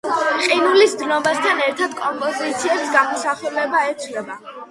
ყინულის დნობასთან ერთად კომპოზიციებს გამოსახულება ეცვლება.